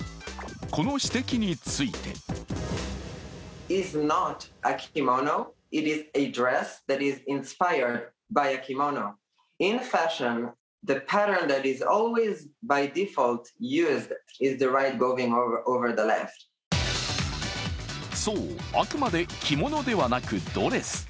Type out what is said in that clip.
この指摘についてそう、あくまで着物ではなくドレス。